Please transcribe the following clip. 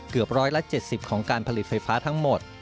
เกือบ๑๗๐ของการผลิตไฟฟ้าทั้งหมด